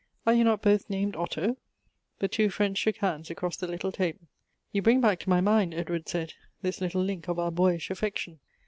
Are you not both named Otto?" The two friends shook hands across the little table. " You bring back to my mind," Edward said, " this little link of our boyish affection.